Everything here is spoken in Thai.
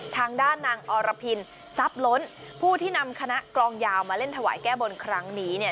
ทางด้านนางอรพินทรัพย์ล้นผู้ที่นำคณะกลองยาวมาเล่นถวายแก้บนครั้งนี้เนี่ย